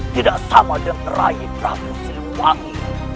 tidak sama dengan rai prabu siliwangi